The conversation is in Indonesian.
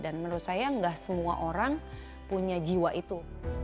dan menurut saya nggak semua orang punya jiwa itu